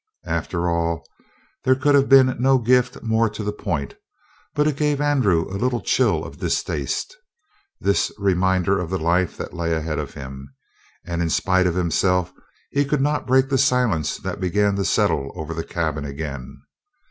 After all, there could have been no gift more to the point, but it gave Andrew a little chill of distaste, this reminder of the life that lay ahead of him. And in spite of himself he could not break the silence that began to settle over the cabin again.